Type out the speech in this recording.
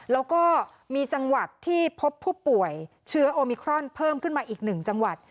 แล้วก็มีจังหวัดที่พบผู้ป่วยเชื้อโอมิครอนเพิ่มขึ้นมาอีก๑จังหวัด